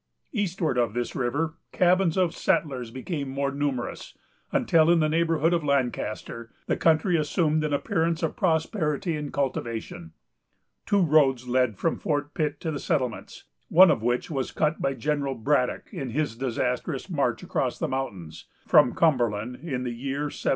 Eastward of this river, cabins of settlers became more numerous, until, in the neighborhood of Lancaster, the country assumed an appearance of prosperity and cultivation. Two roads led from Fort Pitt to the settlements, one of which was cut by General Braddock in his disastrous march across the mountains, from Cumberland, in the year 1755.